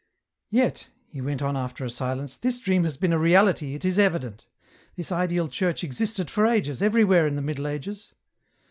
*' Yet," he went on after a silence, " this dream has been a reality, it is evident. This ideal church existed for ages, everywhere in the Middle Ages